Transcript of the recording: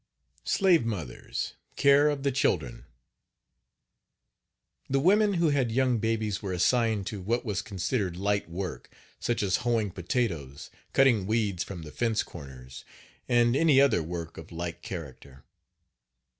SLAVE MOTHERS CARE OF THE CHILDREN. The women who had young babies were assigned to what was considered "light work," such as hoeing potatoes, cutting weeds from the fence corners, and any other work of like character.